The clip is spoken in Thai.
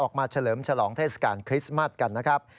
เฉลิมฉลองเทศกาลคริสต์มัสกันนะครับ